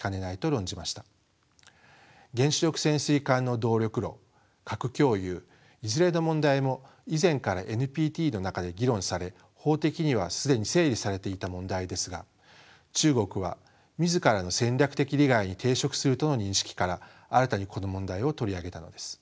原子力潜水艦の動力炉核共有いずれの問題も以前からＮＰＴの中で議論され法的には既に整理されていた問題ですが中国は自らの戦略的利害に抵触するとの認識から新たにこの問題を取り上げたのです。